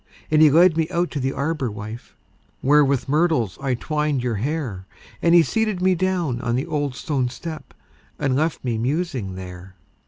And he led me out to the arbor, wife, Where with myrtles I twined your hair; And he seated me down on the old stone step, And left me musing there.